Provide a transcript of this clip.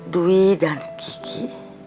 dwi dan kiki